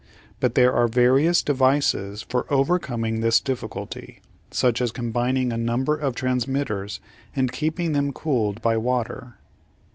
But there are various devices for overcoming this difficulty, such as combining a number of transmitters and keeping them cooled by water.